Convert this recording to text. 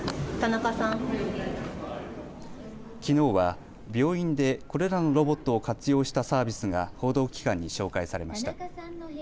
きのうは病院でこれらのロボットを活用したサービスが報道機関に紹介されました。